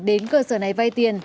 đến cơ sở này vay tiền